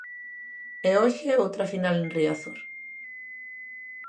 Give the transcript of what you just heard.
E hoxe, outra final en Riazor.